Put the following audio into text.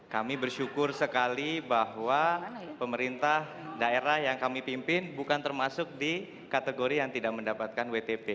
kami bersyukur sekali bahwa pemerintah daerah yang kami pimpin bukan termasuk di kategori yang tidak mendapatkan wtp